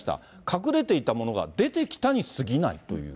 隠れていたものが出てきたにすぎないという。